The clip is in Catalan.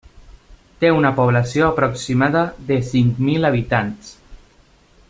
Té una població aproximada de cinc mil habitants.